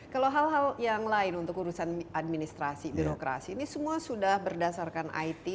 kalau hal hal yang lain untuk urusan administrasi birokrasi ini semua sudah berdasarkan it